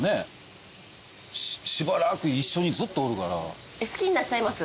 しばらく一緒にずっとおるから。